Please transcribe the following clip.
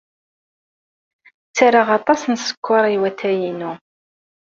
Ttarraɣ aṭas n sskeṛ i watay-inu.